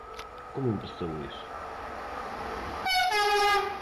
Como empezou iso?